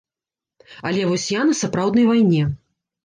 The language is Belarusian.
Але вось я на сапраўднай вайне.